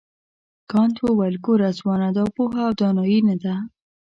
کانت وویل ګوره ځوانه دا پوهه او دانایي نه ده.